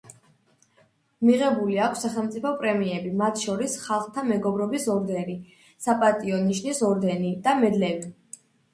მიღებული აქვს სახელმწიფო პრემიები, მათ შორის ხალხთა მეგობრობის ორდენი, საპატიო ნიშნის ორდენი და მედლები.